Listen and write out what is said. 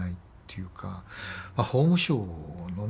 法務省のね